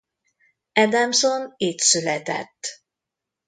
Adamson itt született.